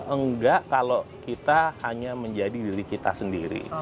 enggak kalau kita hanya menjadi diri kita sendiri